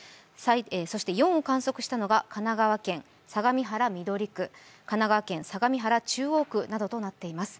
そして４を観測したのは神奈川県相模原緑区、神奈川県相模原中央区などとなっています。